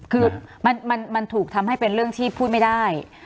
คือมันถูกทำให้เป็นเรื่องที่พูดไม่ได้